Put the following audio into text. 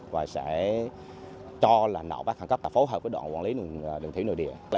và sẽ cho là nạo vét khẩn cấp phối hợp với đoạn quản lý đường thủy nội địa